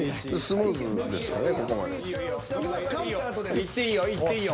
行っていいよ行っていいよ。